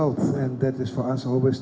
untuk mendapatkan hasil terbaik